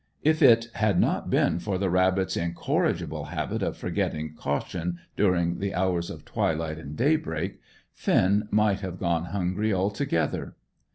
If it had not been for the rabbits' incorrigible habit of forgetting caution during the hours of twilight and daybreak, Finn might have gone hungry altogether.